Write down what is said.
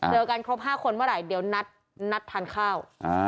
เจอกันครบ๕คนเมื่อไหร่เดี๋ยวนัดทานข้าว